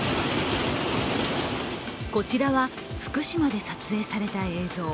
こちらは福島で撮影された映像。